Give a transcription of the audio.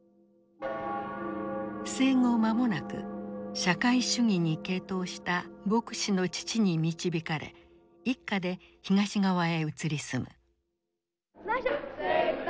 生後間もなく社会主義に傾倒した牧師の父に導かれ一家で東側へ移り住む。